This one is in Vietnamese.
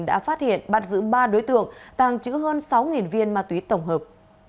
đã phát hiện bắt giữ ba đối tượng tàng trữ hơn sáu viên ma túy tổng hợp